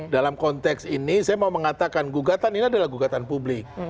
dalam konteks ini saya mau mengatakan gugatan ini adalah gugatan publik